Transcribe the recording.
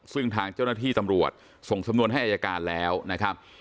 ซึ่งทางเจ้าหน้าที่ตำรวจส่งสำนวนให้อายการแล้วนะครับ